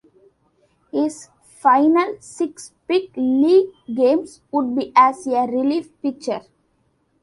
His final six big-league games would be as a relief pitcher.